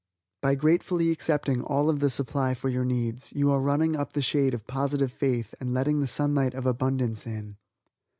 By gratefully accepting all of the supply for your needs, you are running up the shade of positive faith and letting the sunlight of abundance in.